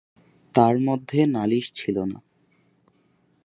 তার মধ্যে নালিশ ছিল না।